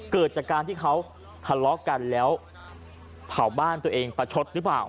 เกิดจากการที่เขาทะเลาะกันแล้วเผาบ้านตัวเองประชดหรือเปล่า